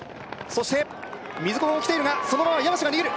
そして水久保も来ているがそのまま矢橋が逃げる